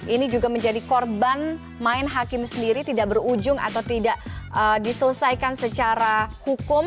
ini juga menjadi korban main hakim sendiri tidak berujung atau tidak diselesaikan secara hukum